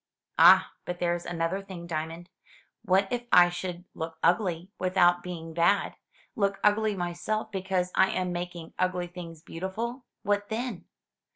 "Ah, but there's another thing, Diamond: — ^What if I should look ugly without being bad — look ugly myself because I am making ugly things beautiful? What then?"